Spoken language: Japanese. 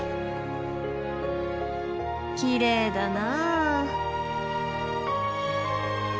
きれいだな。